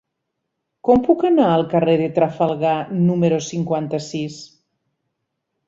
Com puc anar al carrer de Trafalgar número cinquanta-sis?